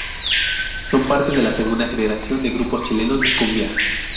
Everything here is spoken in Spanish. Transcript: Son parte de la segunda generación de grupos chilenos de cumbia.